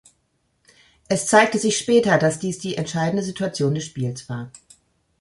Es zeigte sich später, dass dies die entscheidende Situation des Spiels war.